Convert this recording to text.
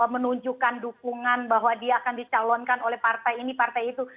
menunjukkan dukungan bahwa dia akan dicalonkan oleh partai ini partai itu